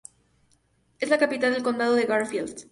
Es la capital del condado de Garfield.